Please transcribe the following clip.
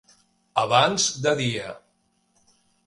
Abans de dia.